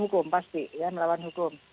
hukum pasti ya melawan hukum